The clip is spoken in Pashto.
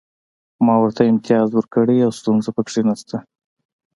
ما ورته امتیاز ورکړی او ستونزه پکې نشته